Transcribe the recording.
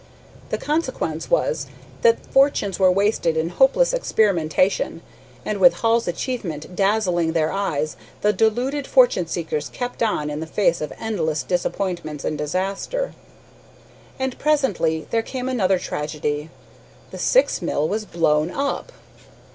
The consequence was that fortunes were wasted in hopeless experimentation, and, with Hall's achievement dazzling their eyes, the deluded fortune seekers kept on in the face of endless disappointments and disaster. And presently there came another tragedy. The Syx mill was blown up!